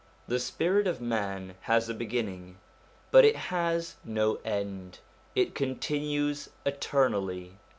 The spirit of man has a beginning, but it has no end ; it continues eternally.